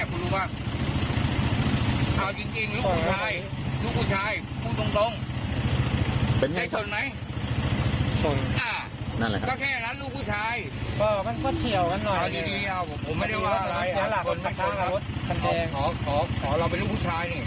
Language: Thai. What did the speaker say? อ่าดีอ่าผมไม่ได้ว่าอะไรชนไม่ชนครับขอขอขอขอเราเป็นลูกผู้ชายเนี่ย